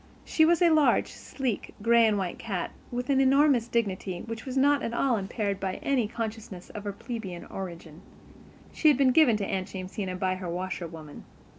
She was a large, sleek, gray and white cat, with an enormous dignity which was not at all impaired by any consciousness of her plebian origin. She had been given to Aunt Jamesina by her washerwoman.